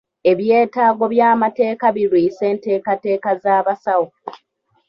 Ebyetaago by'amateeka birwisa enteekateeka z'abasawo.